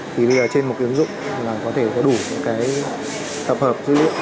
thì bây giờ trên một cái ứng dụng là có thể có đủ cái tập hợp dữ liệu